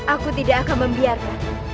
aku tidak akan membiarkan